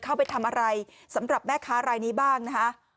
เข้าไปทำอะไรสำหรับแม่ค้ารายนี้บ้างนะคะ